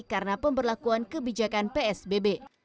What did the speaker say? karena pemberlakuan kebijakan psbb